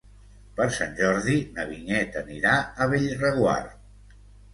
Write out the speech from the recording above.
Per Sant Jordi na Vinyet anirà a Bellreguard.